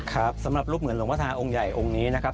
ครับสำหรับรูปเหมือนหลวงพระธาองค์ใหญ่องค์นี้นะครับ